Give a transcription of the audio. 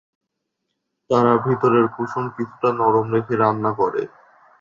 তারা ভিতরের কুসুম কিছুটা নরম রেখে রান্না করে।